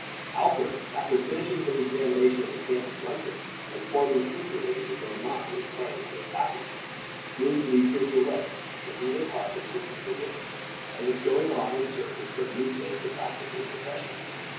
Alfred, after finishing his examination of the camp of Guthrum, and forming secretly, in his own mind, his plans for attacking it, moved leisurely away, taking his harp and his attendant with him, as if going on in search of some new place to practice his profession.